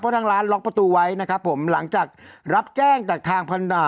ทางร้านล็อกประตูไว้นะครับผมหลังจากรับแจ้งจากทางพันอ่า